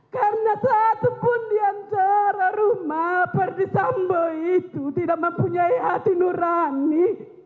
karena satu pun diantara rumah perdisambu itu tidak mempunyai hati nurani